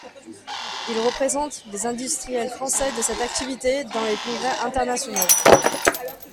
Il représente les industriels français de cette activité dans les congrès internationaux.